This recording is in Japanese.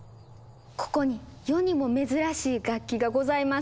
ここに世にも珍しい楽器がございます。